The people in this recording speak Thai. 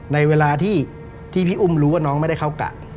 ในเวลาที่พี่อุ้มรู้ว่าน้องไม่ได้เข้ากะ